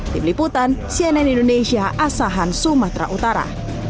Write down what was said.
dibeliputan cnn indonesia asahan sumatera utara